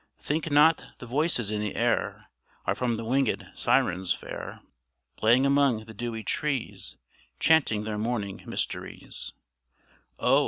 Think not the voices in the air Are from the winged Sirens fair, Playing among the dewy trees, Chanting their morning mysteries; Oh!